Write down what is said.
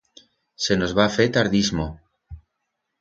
Se nos va fer tardismo.